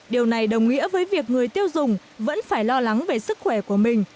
điều này đồng nghĩa với việc người tiêu dùng vẫn phải lo lắng về sức khỏe của mình